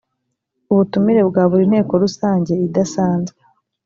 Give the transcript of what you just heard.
ubutumire bwa buri nteko rusange idasanzwe